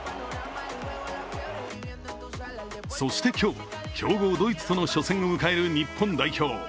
そして今日、強豪・ドイツとの初戦を迎える日本代表。